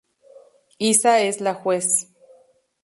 Isa es la juez.